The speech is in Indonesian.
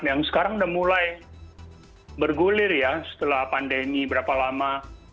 yang sekarang sudah mulai bergulir ya setelah pandemi berapa lama